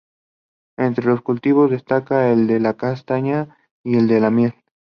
Entre los cultivos destaca el de la castaña y el de la miel.